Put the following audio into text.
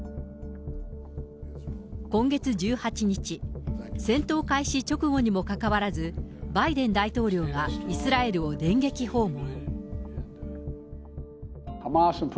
今月１８日、戦闘開始直後にもかかわらず、バイデン大統領がイスラエルを電撃訪問。